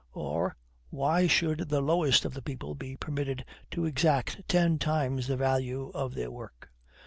or, why should the lowest of the people be permitted to exact ten times the value of their work?